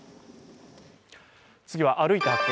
次は「歩いて発見！